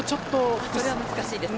それは難しいですね。